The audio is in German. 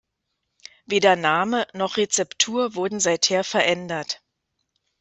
Weder Name noch Rezeptur wurden seither verändert.